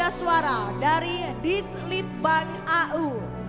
ada suara dari dislitbang au